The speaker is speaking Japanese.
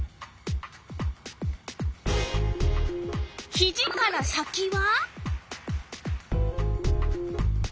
ひじから先は？